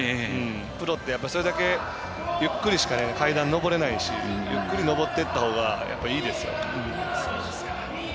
プロってそれだけゆっくりしか階段上れないしゆっくり上っていったほうがやっぱり、いいですよ。